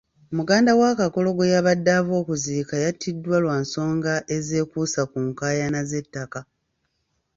Muganda wa Kagolo gwe yabadde ava okuziika yattiddwa lwa nsonga ezeekuusa ku nkaayana z'ettaka.